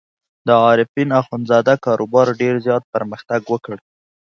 د عارفین اخندزاده کاروبار ډېر زیات پرمختګ وکړ.